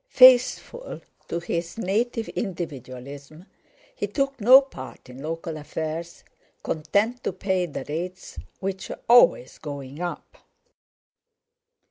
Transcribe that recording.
Faithful to his native individualism, he took no part in local affairs, content to pay the rates which were always going up.